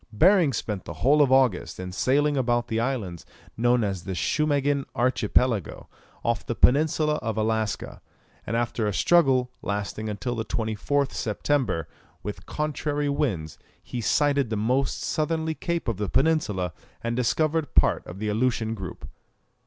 Behring spent the whole of August in sailing about the islands known as the Schumagin archipelago, off the peninsula of Alaska; and after a struggle, lasting until the 24th September, with contrary winds, he sighted the most southerly cape of the peninsula, and discovered part of the Aleutian group.